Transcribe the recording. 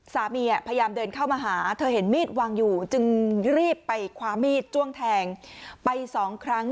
พยายามเดินเข้ามาหาเธอเห็นมีดวางอยู่จึงรีบไปคว้ามีดจ้วงแทงไปสองครั้ง